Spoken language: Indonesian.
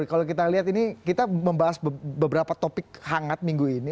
kalau kita lihat ini kita membahas beberapa topik hangat minggu ini